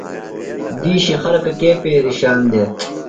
دِیشی خلکہ کے پیرِشان دےۡ ؟